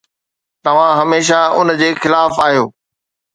توهان هميشه ان جي خلاف آهيو